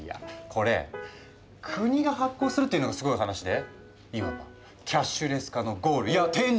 これ国が発行するっていうのがすごい話でいわばキャッシュレス化のゴールいや天竺。